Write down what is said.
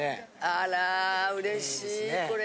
あらうれしいこれ。